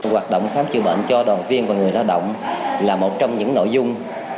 hoạt động khám chữa bệnh cho đoàn viên và người lao động là một trong những nội dung